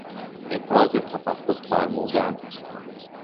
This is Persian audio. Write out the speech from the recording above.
ابراز تفقد فرمودن